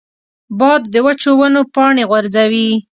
باد د وچو ونو پاڼې غورځوي